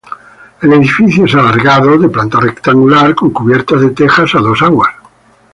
El edificio es alargado, de planta rectangular, con cubierta de tejas a dos aguas.